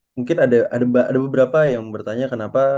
mungkin ada beberapa yang bertanya kenapa